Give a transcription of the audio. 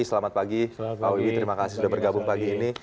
selamat pagi pak wiwi terima kasih sudah bergabung pagi ini